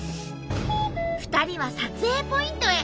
２人は撮影ポイントへ。